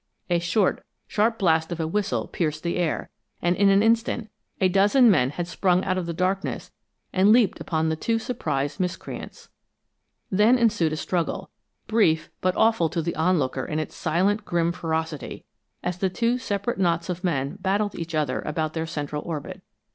A short, sharp blast of a whistle pierced the air, and in an instant a dozen men had sprung out of the darkness and leaped upon the two surprised miscreants. Then ensued a struggle, brief but awful to the onlooker in its silent, grim ferocity, as the two separate knots of men battled each about their central orbit.